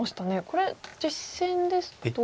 これ実戦ですと。